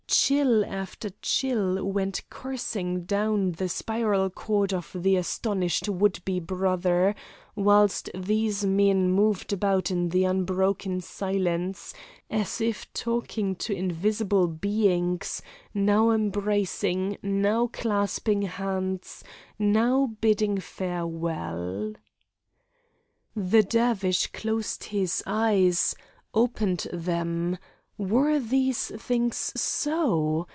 Chill after chill went coursing down the spinal cord of the astonished would be brother, whilst these men moved about in the unbroken silence, as if talking to invisible beings; now embracing, now clasping hands, now bidding farewell. The Dervish closed his eyes, opened them, Were these things so?